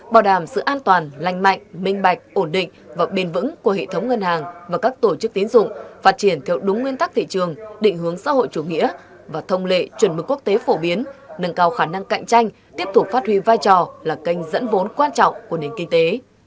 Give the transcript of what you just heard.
bảo đảm sự an toàn lành mạnh minh bạch ổn định và bền vững của hệ thống ngân hàng và các tổ chức tiến dụng phát triển theo đúng nguyên tắc thị trường định hướng xã hội chủ nghĩa và thông lệ chuẩn mức quốc tế phổ biến nâng cao khả năng cạnh tranh tiếp tục phát huy vai trò là kênh dẫn vốn quan trọng của nền kinh tế